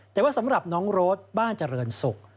แต่ว่าสำหรับน้องโรดบ้านเจริญศุกร์